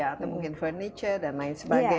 atau mungkin furniture dan lain sebagainya